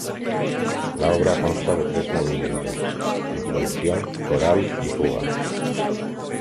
La obra consta de tres movimientos: Introducción, Coral y Fuga.